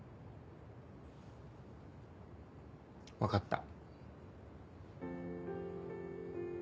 わかった。